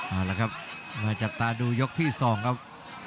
เอาละครับมาจับตาดูยกที่๒ครับ